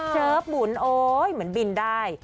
เจิบหมุนโอ๊ยเหมือนบินได้